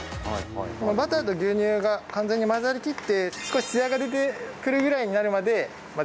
このバターと牛乳が完全に混ざりきって少しツヤが出てくるぐらいになるまで混ぜます。